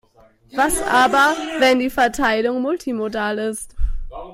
Was aber, wenn die Verteilung multimodal ist?